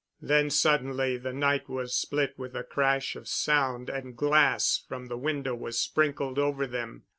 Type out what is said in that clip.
Then suddenly, the night was split with a crash of sound and glass from the window was sprinkled over them.